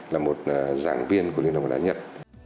là một giảng viên của liên đồng bóng đá nhật